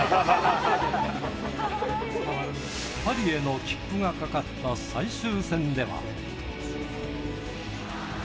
パリへの切符がかかった最終戦では。